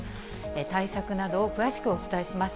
対策などを詳しくお伝えします。